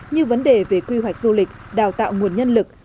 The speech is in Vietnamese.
như vấn đề về quy hoạch du lịch đào tạo nguồn nhân lực